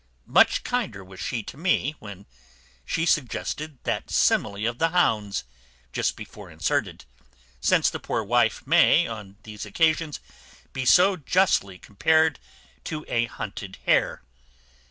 Much kinder was she to me, when she suggested that simile of the hounds, just before inserted; since the poor wife may, on these occasions, be so justly compared to a hunted hare.